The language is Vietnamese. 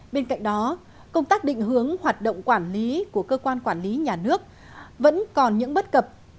bên cạnh đó công tác định hướng hoạt động quản lý của cơ quan quản lý nhà nước vẫn còn những bất cập